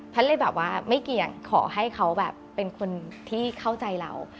เลยแบบว่าไม่เกียรติขอให้เขาแบบเป็นคนที่เข้าใจเรา